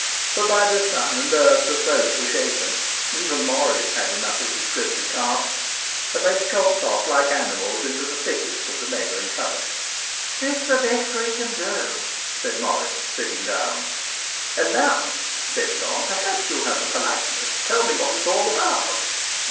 But by this time the nerves of both were shaken; even Morris had enough of his grisly task; and they skulked off like animals into the thickest of the neighbouring covert. 'It's the best that we can do,' said Morris, sitting down. 'And now,' said John, 'perhaps you'll have the politeness to tell me what it's all about.